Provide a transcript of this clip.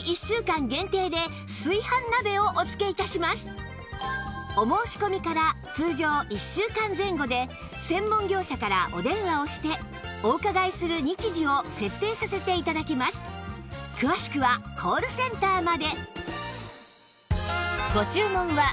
さらにお申し込みから通常１週間前後で専門業者からお電話をしてお伺いする日時を設定させて頂きます詳しくはコールセンターまで